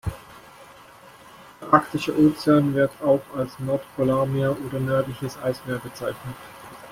Der Arktische Ozean, wird auch als Nordpolarmeer oder nördliches Eismeer bezeichnet.